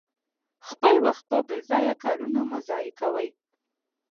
خپل وخت په بې ځایه کارونو مه ضایع کوئ.